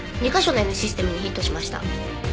２カ所のＮシステムにヒットしました。